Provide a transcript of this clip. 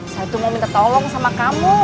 saya itu mau minta tolong sama kamu